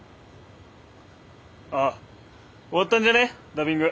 あ終わったんじゃねダビング。